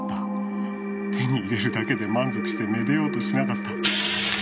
手に入れるだけで満足して愛でようとしなかった。